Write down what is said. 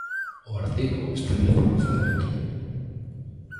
O artigo establece o procedemento.